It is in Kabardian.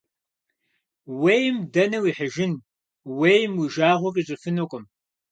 Ууейм дэнэ уихьыжын, ууейм уи жагъуэ къищӀыфынукъым.